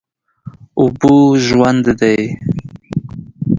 اوبه ژوند دي.